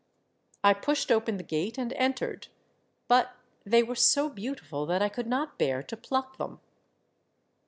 I pushed open the gate and entered, but they were so beautiful that I could not bear to pluck them.